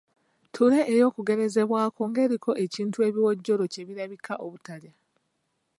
Ttule ey’okugerezebwako ng'eriko ekintu ebiwojjolo kye birabika obutalya.